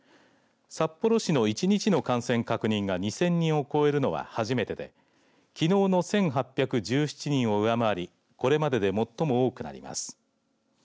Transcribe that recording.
札幌市の１日の感染確認が２０００人を超えるのは初めてできのうの１８１７人を上回りこれまでで最も多くなります。